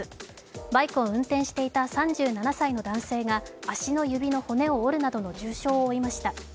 バイクを運転していた３７歳の男性が足の指の骨を折るなどの重傷を負いました。